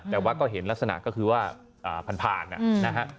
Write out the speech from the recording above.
แต่วัดก็เห็นลักษณะก็คือว่าผ่านนะครับ